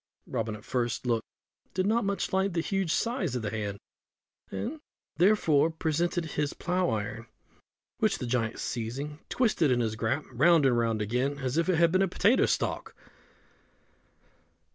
Robin at the first look did not much like the huge size of the hand, and, therefore, presented his plough iron, which the giant seizing, twisted in his grasp round and round again as if it had been a potato stalk.